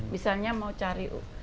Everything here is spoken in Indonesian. misalnya mau cari